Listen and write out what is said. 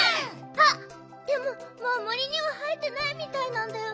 あっでももうもりにははえてないみたいなんだよね。